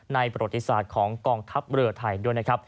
ประวัติศาสตร์ของกองทัพเรือไทยด้วยนะครับ